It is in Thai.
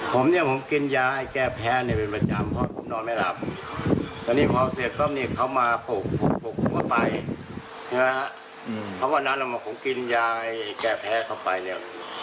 เพราะวันนั้นเรามาขงกินยาไอ้แก่แพ้เข้าไปเนี่ย